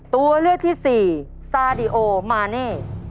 ตัวเลือกที่สี่ซาดิโอมาเน่